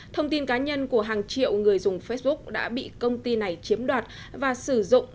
thông tin cá nhân của hàng triệu người dùng facebook đã bị công ty này chiếm đoạt và sử dụng